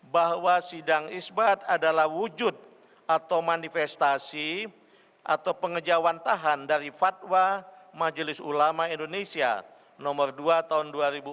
bahwa sidang isbat adalah wujud atau manifestasi atau pengejauhan tahan dari fatwa majelis ulama indonesia nomor dua tahun dua ribu empat belas